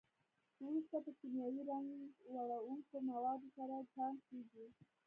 وروسته په کیمیاوي رنګ وړونکو موادو سره چاڼ کېږي.